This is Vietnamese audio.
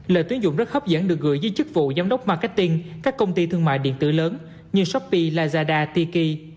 lợi tuyến dụng rất hấp dẫn được gửi dưới chức vụ giám đốc marketing các công ty thương mại điện tử lớn như shopee lazada tiki